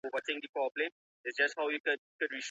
منقال بې سکرو نه وي.